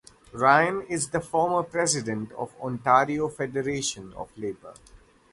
Ryan is the former president of the Ontario Federation of Labour.